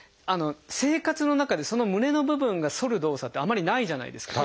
生活の中でその胸の部分が反る動作ってあまりないじゃないですか。